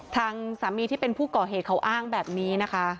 ทางสามีที่เป็นผู้ก่อเหตุเขาอ้างแบบนี้นะคะ